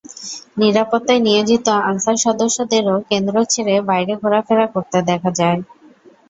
নিরাপত্তায় নিয়োজিত আনসার সদস্যদেরও কেন্দ্র ছেড়ে বাইরে ঘোরাফেরা করতে দেখা যায়।